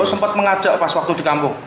sempat mengajak pas waktu di kampung